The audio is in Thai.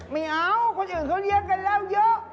ไม่เอาคนอื่นเขาเลี้ยงกันแล้วเยอะ